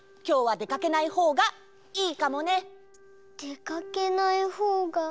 でかけないほうがいい？